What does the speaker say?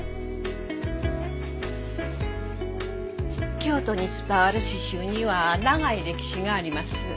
京都に伝わる刺繍には長い歴史があります。